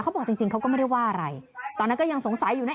บอกจริงจริงเขาก็ไม่ได้ว่าอะไรตอนนั้นก็ยังสงสัยอยู่นะ